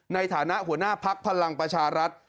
ในฐานะหัวหน้าภักดิ์พลังประชารัฐ